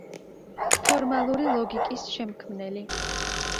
ფორმალური ლოგიკის შემქმნელი.